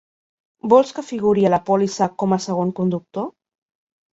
Vols que figuri a la pòlissa com a segon conductor?